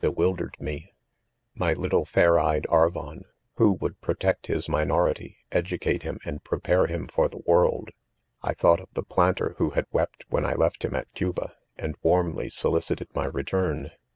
bewriiif ii^niev My little fair eyed ~ Arvon; who" wgul"d"pfofect his minority; educate bim,~andr prepare Him {m the world % I thought of the planter who ■feed wept when I left him at 'Cuba, and warmly H 170 IDOMEN. solicited My : return.